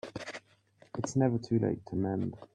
It's never too late to mend